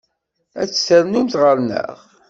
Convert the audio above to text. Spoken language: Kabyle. Ad d-ternumt ɣer-neɣ?